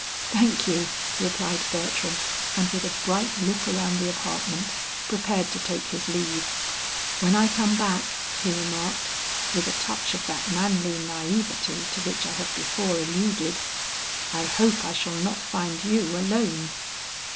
"Thank you!" replied Bertram, and with a bright look around the apartment, prepared to take his leave. "When I come back," he remarked, with a touch of that manly naïveté to which I have before alluded, "I hope I shall not find you alone."